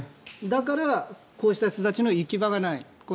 だからこういう人たちの行き場がない。